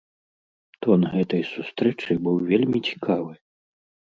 Тон гэтай сустрэчы быў вельмі цікавы.